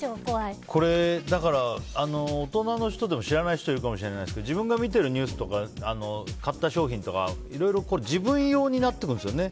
だから、大人の人でも知らない人がいるかもしれないですけど自分が見てるニュースとか買った商品とかいろいろ自分用になっていくんですよね。